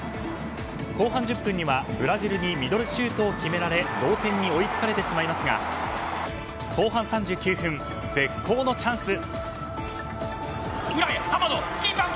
後半１０分にはブラジルにミドルシュートを決められ同点に追いつかれてしまいますが後半３９分、絶好のチャンス。